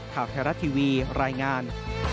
ข่าวแทรศทีวีรายงาน